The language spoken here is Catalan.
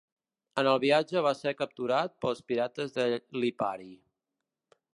En el viatge va ser capturat pels pirates de Lipari.